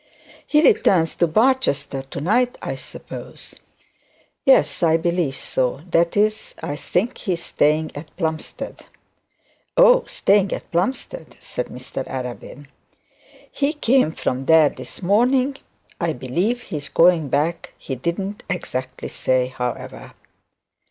'He returns to Barchester to night, I suppose.' 'Yes, I believe so; that is, I think he is staying at Plumstead.' 'Oh, staying at Plumstead,' said Mr Arabin. 'He came from there this morning. I believe he is going back; he didn't exactly say, however.'